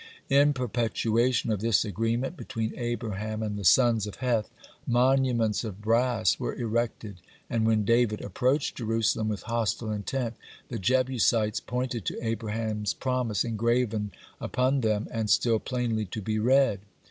In perpetuation of this agreement between Abraham and the sons of Heth, monuments of brass were erected, and when David approached Jerusalem with hostile intent, the Jebusites pointed to Abraham's promise engraven upon them and still plainly to be read.